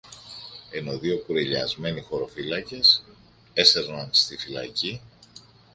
ενώ δυο κουρελιασμένοι χωροφύλακες έσερναν στη φυλακή